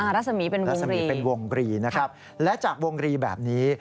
รัสมีเป็นวงรีนะครับและจากวงรีแบบนี้